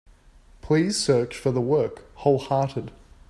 Please search for the work, Wholehearted.